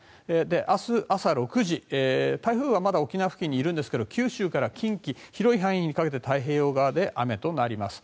明日朝６時台風はまだ沖縄付近にいますが九州から近畿広い範囲にかけて太平洋側で雨となります。